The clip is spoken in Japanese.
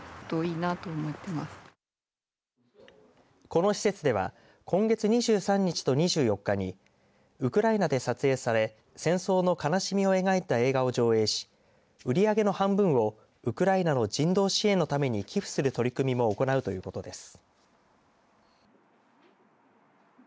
この施設では今月２３日と２４日にウクライナで撮影され戦争の悲しみを描いた映画を上映し売り上げの半分をウクライナの人道支援のために寄付する取り組みも行うということです。